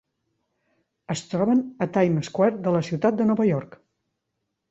Es troben a Time Square de la ciutat de Nova York.